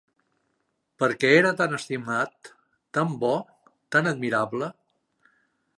Perquè era tan estimat, tan bo, tan admirable.